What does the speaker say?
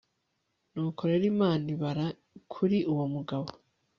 nuko rero imana ibara kuri uwo mugabo